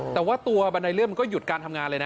แต่ว่าตัวบันไดเลื่อนมันก็หยุดการทำงานเลยนะ